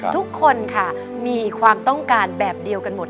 ทุกคนค่ะมีความต้องการแบบเดียวกันหมด